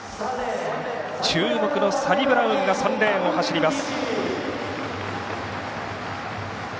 注目のサニブラウンが３レーンを走ります。